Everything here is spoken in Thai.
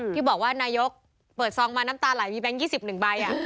ที่บอกว่านายกเปิดซองมาน้ำตาไหลมีแบงค์๒๑ใบ